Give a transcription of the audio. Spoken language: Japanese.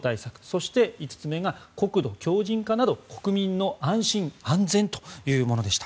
そして５つ目が国土強じん化など国民の安心安全というものでした。